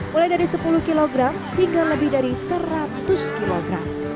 mulai dari sepuluh kg hingga lebih dari seratus kg